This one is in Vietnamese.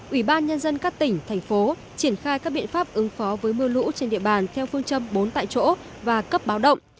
ủy ban nhân dân các tỉnh thành phố triển khai các biện pháp ứng phó với mưa lũ trên địa bàn theo phương châm bốn tại chỗ và cấp báo động